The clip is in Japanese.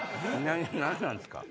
何なんすか？